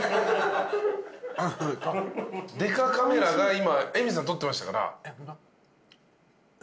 デカカメラが今映見さん撮ってましたから。